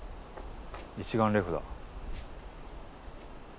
一眼レフだ。